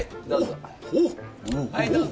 はいどうぞ。